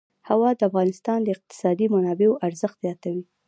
هوا د افغانستان د اقتصادي منابعو ارزښت زیاتوي.